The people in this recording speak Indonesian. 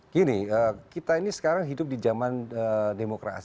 gini kita ini sekarang hidup di zaman demokrasi